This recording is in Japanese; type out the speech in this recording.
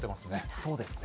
そうですね。